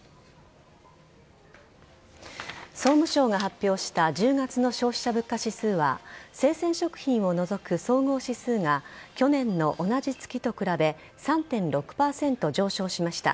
総務省が発表した１０月の消費者物価指数は生鮮食品を除く総合指数が去年の同じ月と比べ３．６％上昇しました。